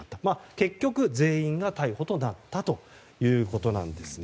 結局、全員が逮捕となったということです。